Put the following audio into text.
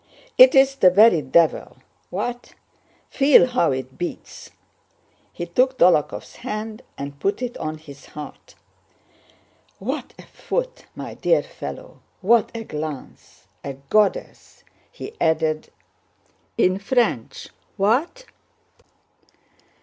"It's the very devil! What? Feel how it beats!" He took Dólokhov's hand and put it on his heart. "What a foot, my dear fellow! What a glance! A goddess!" he added in French. "What?"